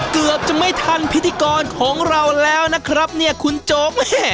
เกือบจะไม่ทันพิธีกรของเราแล้วนะครับเนี่ยคุณโจ๊ก